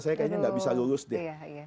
saya kayaknya nggak bisa lulus deh